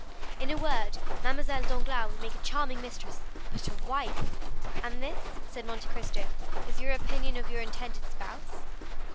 In a word, Mademoiselle Danglars would make a charming mistress—but a wife—diable!" "And this," said Monte Cristo, "is your opinion of your intended spouse?"